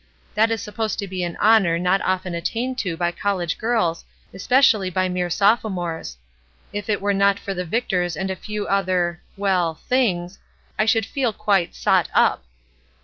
That is supposed to be an honor not often attained to by college girls, especially by mere Sophomores. If it were not for the Victors and a few other — well, things J I should feel quite 'sot up.'